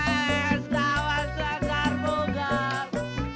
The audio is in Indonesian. es kawan segar bugar